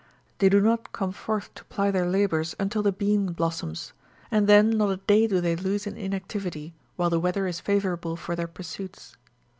They do not come forth to ply their labours until the bean blossoms ; and then not a day do they lose in inactivity, while the weather is favourable for their pursuits.